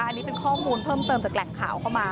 อันนี้เป็นข้อมูลเพิ่มเติมจากแหล่งข่าวเข้ามา